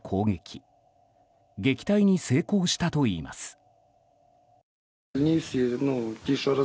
撃退に成功したといいます。